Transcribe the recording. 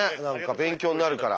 勉強になるから。